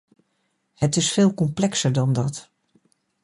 Het is veel complexer dan dat.